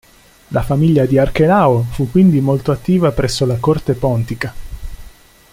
La famiglia di Archelao fu quindi molto attiva presso la corte pontica.